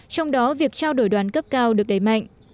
trong đó việc trao đổi đoàn cấp cao được đẩy mạnh